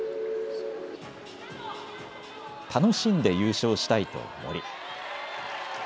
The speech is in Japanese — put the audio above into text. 楽しんで優勝したいと森。